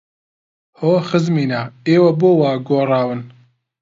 هۆ خزمینە، ئێوە بۆ وا گۆڕاون!